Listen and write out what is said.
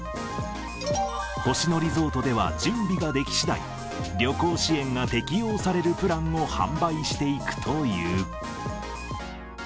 星野リゾートでは準備ができしだい、旅行支援が適用されるプランを販売していくという。